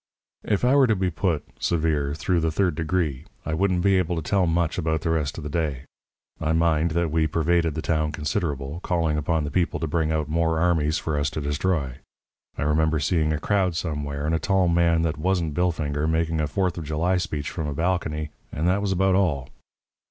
"If I were to be put, severe, through the third degree, I wouldn't be able to tell much about the rest of the day. I mind that we pervaded the town considerable, calling upon the people to bring out more armies for us to destroy. I remember seeing a crowd somewhere, and a tall man that wasn't Billfinger making a Fourth of July speech from a balcony. And that was about all.